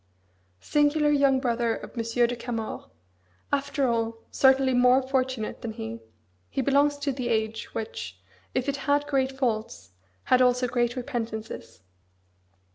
Singular young brother of Monsieur de Camors after all, certainly, more fortunate than he he belongs to the age, which, if it had great faults, had also great repentances.